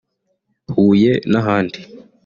Huye n’ahandi